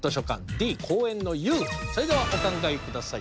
それではお考え下さい。